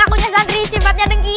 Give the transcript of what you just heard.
gak punya santri sifatnya dengki